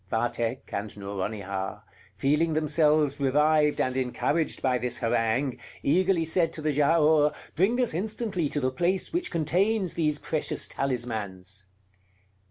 Vathek and Nouronihar, feeling themselves revived and encouraged by this harangue, eagerly said to the Giaour: "Bring us instantly to the place which contains these precious talismans."